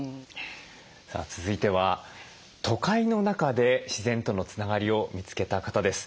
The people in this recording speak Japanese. さあ続いては都会の中で自然とのつながりを見つけた方です。